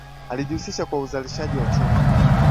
Alijihusisha kwa uzalishaji wa uchumi